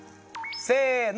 せの！